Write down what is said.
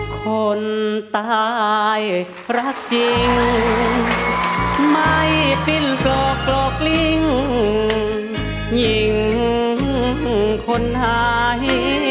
คนตายรักจริงไม่ปิ้นกลอกลิ้งหญิงคนหาย